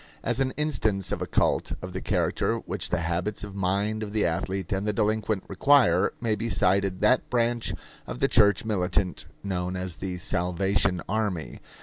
As an instance of a cult of the character which the habits of mind of the athlete and the delinquent require, may be cited that branch of the church militant known as the Salvation Army.